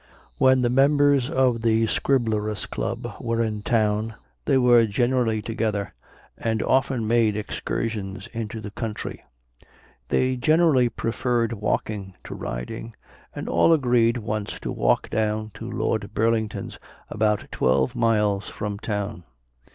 When the members of the Scriblerus Club were in town, they were generally together, and often made excursions into the country. They generally preferred walking to riding, and all agreed once to walk down to Lord Burlington's about twelve miles from town.